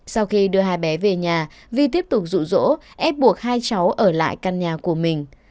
sau khi đưa hai bé về nhà vi tiếp tục rụ rỗ ép buộc hai cháu ở lại căn nhà của mình